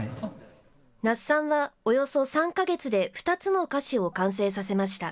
那須さんはおよそ３か月で２つの歌詞を完成させました。